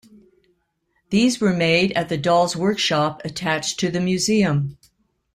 These were made at the Dolls Workshop attached to the Museum.